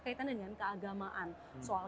soal kasus kekerasan seksual